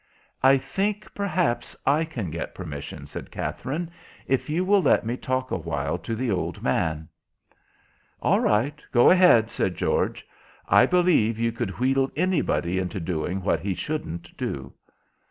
"I think perhaps I can get permission," said Katherine, "if you will let me talk a while to the old man." "All right. Go ahead," said George. "I believe you could wheedle anybody into doing what he shouldn't do."